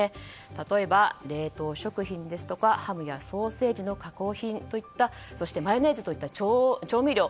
例えば、冷凍食品ですとかハムやソーセージなどの加工品そしてマヨネーズといった調味料。